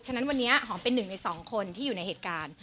ฉะนั้นวันนี้หอมเป็นหนึ่งในสองคนที่อยู่ในเหตุการณ์